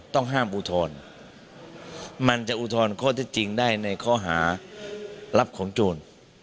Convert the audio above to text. ต้องห้ามอุทธรณ์มันจะอุทธรณ์ข้อที่จริงได้ในข้อหารับของโจร